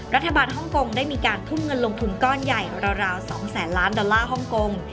ฮ่องกงได้มีการทุ่มเงินลงทุนก้อนใหญ่ราว๒แสนล้านดอลลาร์ฮ่องกง